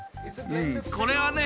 これはね